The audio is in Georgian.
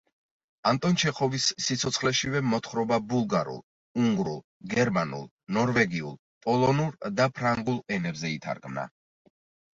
ანტონ ჩეხოვის სიცოცხლეშივე მოთხრობა ბულგარულ, უნგრულ, გერმანულ, ნორვეგიულ, პოლონურ და ფრანგულ ენებზე ითარგმნა.